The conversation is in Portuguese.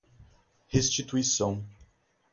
restituição